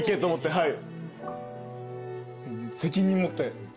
はい。